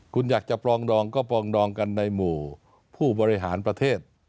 คุณอยากจะปรองดองก็ปรองดองกันในหมู่ผู้บริหารประเทศ